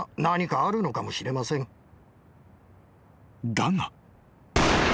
［だが］